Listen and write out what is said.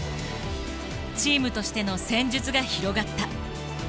チームとしての戦術が広がった。